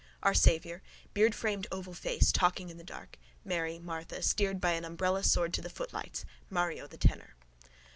Our Saviour: beardframed oval face: talking in the dusk. Mary, Martha. Steered by an umbrella sword to the footlights: Mario the tenor.